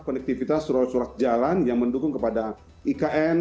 konektivitas ruas ruas jalan yang mendukung kepada ikn